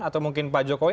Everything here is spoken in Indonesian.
atau mungkin pak jokowi